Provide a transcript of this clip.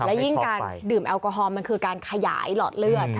และยิ่งการดื่มแอลกอฮอลมันคือการขยายหลอดเลือด